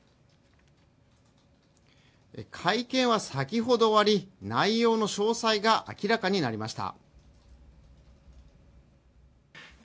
会見は先ほど終わり内容の詳細が明らかになりました。